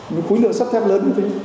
những khối lượng sắp thêm lớn như thế